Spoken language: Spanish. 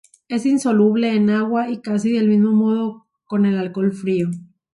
Es insoluble en agua y casi del mismo modo con el alcohol frío.